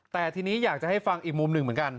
แต่ทีนี้อยากจะให้ฟังอีกมุมหนึ่งเหมือนกัน